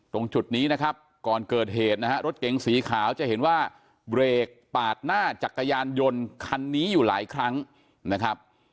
ตรงจุดนี้นะครับก่อนเกิดเหตุนะฮะรถเก๋งสีขาวจะเห็นว่าเบรกปาดหน้าจักรยานยนต์คันนี้อยู่หลายครั้งนะครับ